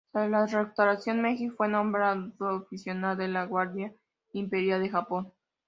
Tras la Restauración Meiji fue nombrado oficial de la Guardia Imperial de Japón.